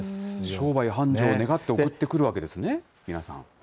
商売繁盛を願って送ってくるわけですね、皆さん。